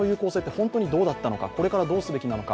本当にどうだったのかこれからどうすべきなのか